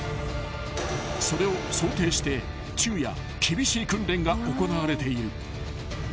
［それを想定して昼夜厳しい訓練が行われている］